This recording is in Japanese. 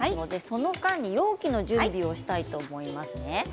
その間に容器の準備をしようかと思います。